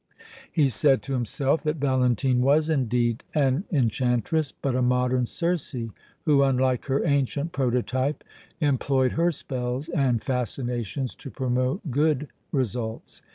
He said to himself that Valentine was, indeed, an enchantress, but a modern Circe, who, unlike her ancient prototype, employed her spells and fascinations to promote good, results.